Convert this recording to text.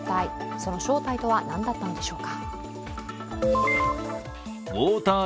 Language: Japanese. その正体とは何だったのでしょうか？